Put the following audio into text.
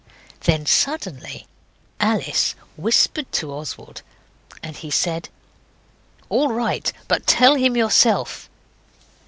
Then suddenly Alice whispered to Oswald, and he said 'All right; but tell him yourself.